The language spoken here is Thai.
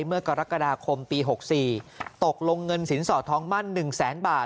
เมื่อกรกฎาคมปี๖๔ตกลงเงินสินสอดทองมั่น๑แสนบาท